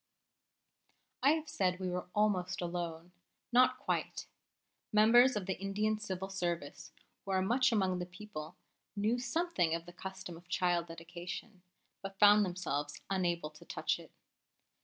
I have said we were almost alone, not quite. Members of the Indian Civil Service, who are much among the people, knew something of the custom of child dedication, but found themselves unable to touch it.